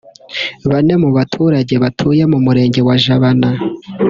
Bane mu baturage batuye mu Murenge wa Jabana